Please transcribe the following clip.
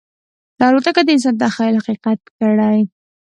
الوتکه د انسان تخیل حقیقت کړی.